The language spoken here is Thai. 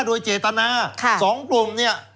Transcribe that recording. โดยเจตนา๒กลุ่มเนี่ย